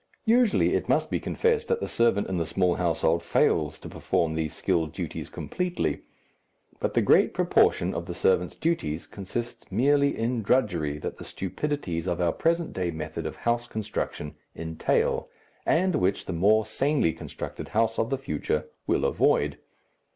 Usually it must be confessed that the servant in the small household fails to perform these skilled duties completely. But the great proportion of the servant's duties consists merely in drudgery that the stupidities of our present day method of house construction entail, and which the more sanely constructed house of the future will avoid.